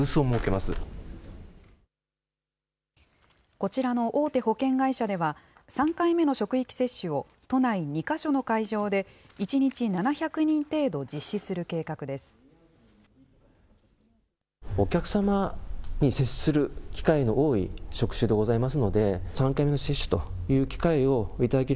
こちらの大手保険会社では、３回目の職域接種を都内２か所の会場で、１日７００人程度、実施する計画です。